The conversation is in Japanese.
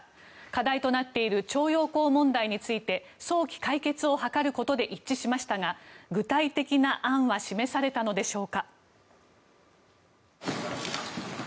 課題となっている徴用工問題について早期解決を図ることで一致しましたが具体的な案は示されたのでしょうか。